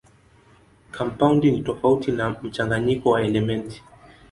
Kampaundi ni tofauti na mchanganyiko wa elementi.